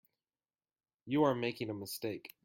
You are making a mistake.